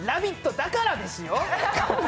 だからですよ。